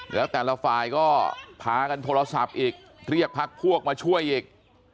แล้วแต่ละฝ่ายก็พากันโทรศัพท์อีกเรียกพักพวกมาช่วยอีก